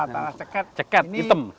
tanah ceket hitam